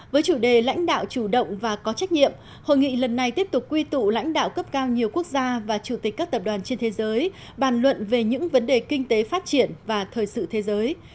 với chủ đề lãnh đạo chủ động và có trách nhiệm hội nghị lần này tiếp tục quy tụ lãnh đạo cấp cao nhiều quốc gia và chủ tịch các tập đoàn trên thế giới bàn luận về những vấn đề kinh tế phát triển và thời sự thế giới